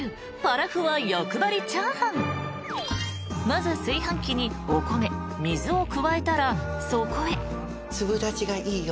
［まず炊飯器にお米水を加えたらそこへ］